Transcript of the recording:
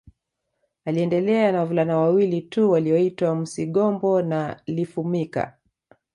Aliendelea na wavulana wawili tu walioitwa Musigombo na Lifumika